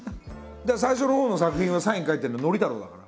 だから最初のほうの作品はサイン書いてるの憲太郎だから。